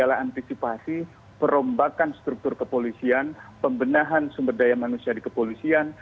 adalah antisipasi perombakan struktur kepolisian pembenahan sumber daya manusia di kepolisian